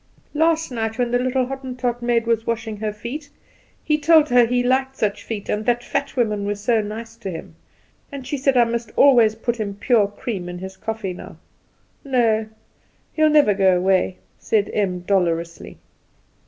Last night when the little Hottentot maid was washing her feet, he told her he liked such feet, and that fat women were so nice to him; and she said I must always put pure cream in his coffee now. No; he'll never go away," said Em dolorously.